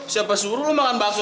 siapa suruh lo makan bakso